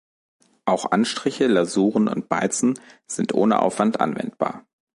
Auch Anstriche, Lasuren und Beizen sind ohne Aufwand anwendbar.